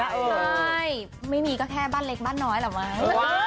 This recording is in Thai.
ใช่ไม่มีก็แค่บ้านเล็กบ้านน้อยแหละมั้ง